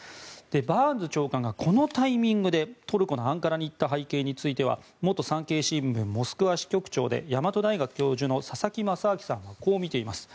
バーンズ長官がこのタイミングでトルコのアンカラに行った背景については元産経新聞モスクワ支局長で大和大学教授の佐々木正明さんはこう見ています。